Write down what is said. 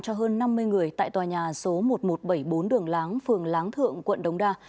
cho hơn năm mươi người tại tòa nhà số một nghìn một trăm bảy mươi bốn đường láng phường láng thượng quận đống đa